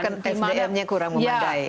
sdm nya kurang memandai